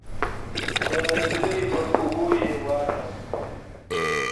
د نجلۍ پر اوږو يې واچاوه.